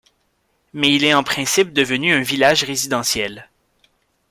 Mais il est en principe devenu un village résidentiel.